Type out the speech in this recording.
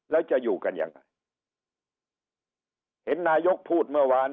แล้วจะอยู่กันยังไงเห็นนายกพูดเมื่อวาน